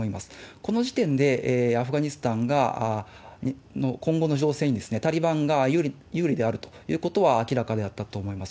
この時点でアフガニスタンの今後の情勢に、タリバンが有利であるということは明らかであったと思います。